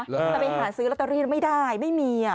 แต่ไปหาซื้อลอตเตอรี่ไม่ได้ไม่มี